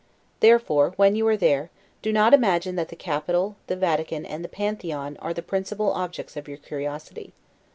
Therefore, when you are there, do not imagine that the Capitol, the Vatican, and the Pantheon, are the principal objects of your curiosity.